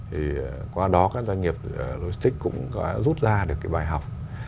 thì qua đó các doanh nghiệp logistics cũng có rút ra được cái bài học